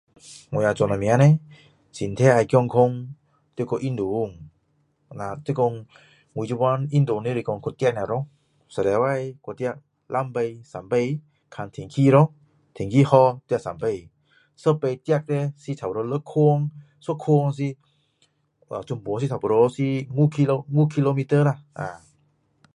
我要做什么叻身体要健康要去运动就是说我现在运动也是说去跑而已一个星期去跑两次三次看天气咯天气好跑三次一次跑差不多六圈一圈是全部差不多是5 kilometer 啦